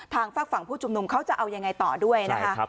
ฝากฝั่งผู้ชุมนุมเขาจะเอายังไงต่อด้วยนะคะ